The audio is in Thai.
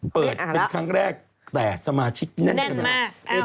เปิดเป็นครั้งแรกแต่สมาชิกแน่นขนาด